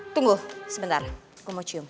tunggu sebentar gue mau cium